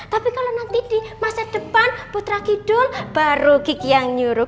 tapi kalau nanti di masa depan putra kidul baru gigi yang nyuruh